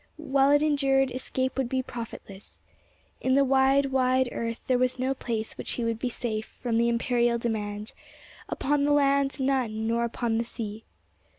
While it endured, escape would be profitless. In the wide, wide earth there was no place in which he would be safe from the imperial demand; upon the land none, nor upon the sea.